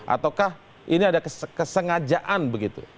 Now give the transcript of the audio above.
ataukah ini ada kesengajaan begitu